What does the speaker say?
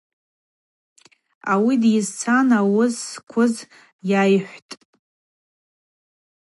Ауи дйызцан ауыс зквыз йайхӏвтӏ.